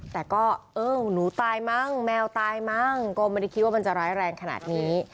แต่ก็เออหนูตายมั้งแมวตายมั้งก็ไม่ได้คิดว่ามันจะร้ายแรงขนาดนี้